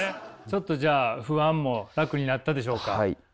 ちょっとじゃあ不安も楽になったでしょうか？